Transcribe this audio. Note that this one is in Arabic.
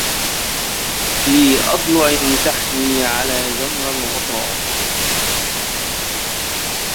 لي أضلع تحنى على جمر الغضا